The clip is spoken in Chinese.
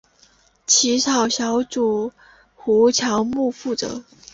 起草小组由胡乔木负责。